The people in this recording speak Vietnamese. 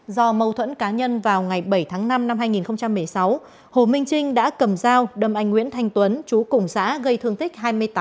do mâu thuẫn cá nhân vào ngày bảy tháng năm năm hai nghìn một mươi sáu hồ minh trinh đã cầm dao đâm anh nguyễn thanh tuấn chú cùng xã gây thương tích hai mươi tám